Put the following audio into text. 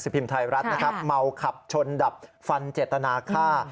พิมพ์ไทยรัฐนะครับเมาขับชนดับฟันเจตนาฆ่า